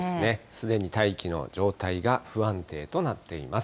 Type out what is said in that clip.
すでに大気の状態が不安定となっています。